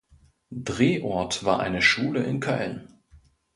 Drehort war eine Schule in Köln.